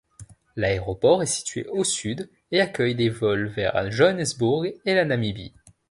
L'aéroport est situé au sud et accueille des vols vers Johannesburg et la Namibie.